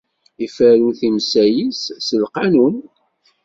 Iferru timsal-is s lqanun.